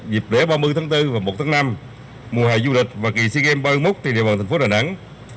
dịp lễ ba mươi tháng bốn và một tháng năm mùa hải du lịch và kỳ si game ba mươi một trên địa bàn thành phố đà nẵng